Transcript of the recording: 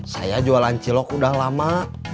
saya jualan cilok udah lama